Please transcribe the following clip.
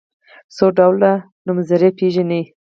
څو ډوله نومځري پيژنئ.